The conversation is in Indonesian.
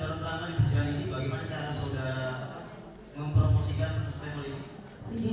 bisa saudara terangkan di persidangan ini bagaimana cara saudara mempromosikan first striper ini